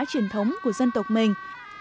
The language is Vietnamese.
truyền thống của dân tộc mình